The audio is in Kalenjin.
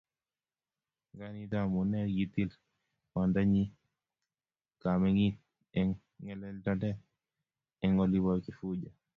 Nga nito amune kitil kwandanyi komengid eng ngelelnotet eng olibo Kifuja